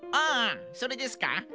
あそれですか？